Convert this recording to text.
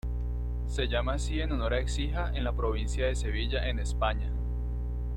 Se llama así en honor a Écija en la provincia de Sevilla en España.